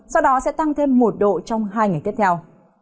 sau đó sẽ tăng thêm một độ trong hai ngày tiếp theo